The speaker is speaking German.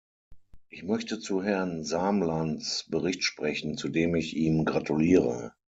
Ich möchte zu Herrn Samlands Bericht sprechen, zu dem ich ihm gratuliere.